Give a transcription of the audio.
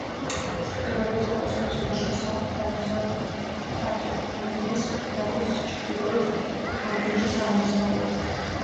მდებარეობს ატაკამის უდაბნოს სამხრეთ-აღმოსავლეთით, პატაგონიის უდაბნოს ჩრდილოეთით, ანდების აღმოსავლეთით.